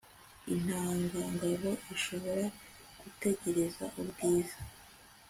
intangangabo ishobora gutegereza ubwiza